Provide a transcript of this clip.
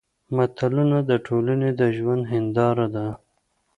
متلونه د ټولنې د ژوند هېنداره ده